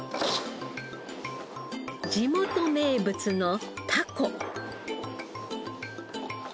地元名物のタコ。